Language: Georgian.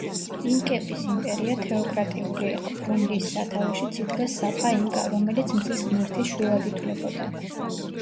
ინკების იმპერია თეოკრატიული იყო, რომლის სათავეშიც იდგა საპა ინკა, რომელიც მზის ღმერთის შვილად ითვლებოდა.